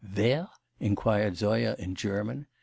'Wer?' inquired Zoya in German.